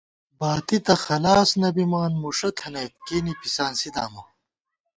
باتی تہ خلاص نہ بِمان ، مُوݭہ تھنَئیت ، کېنے پِسانسی دامہ